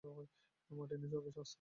Martinez, ওকে আসতে দাও।